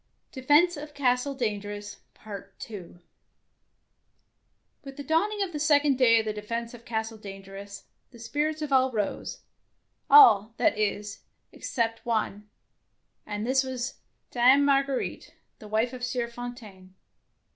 II With the dawning of the second day of the defence of Castle Dangerous, the spirits of all rose, all, that is, except one, and this was Dame Marguerite, the wife of Sieur Fontaine.